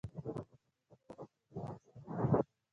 ټیپو سلطان سره کار کاوه.